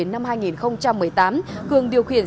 năm hai nghìn một mươi tám cường điều khiển